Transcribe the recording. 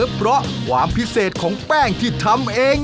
เพราะความพิเศษของแป้งที่ทำเอง